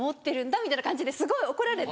みたいな感じですごい怒られて。